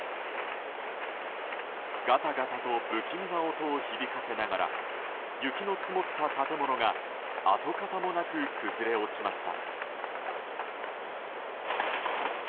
ガタガタと不気味な音を響かせながら雪の積もった建物が跡形もなく崩れ落ちました。